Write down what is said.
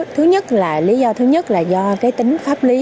thứ nhất là lý do thứ nhất là do cái tính pháp lý